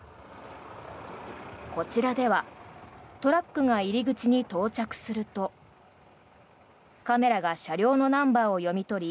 こちらではトラックが入り口に到着するとカメラが車両のナンバーを読み取り